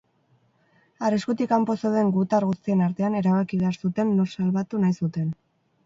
Arriskutik kanpo zeuden gutar guztien artean erabaki behar zuten nor salbatu nahi zuten.